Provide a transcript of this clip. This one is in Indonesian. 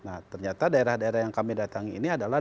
nah ternyata daerah daerah yang kami datangi ini adalah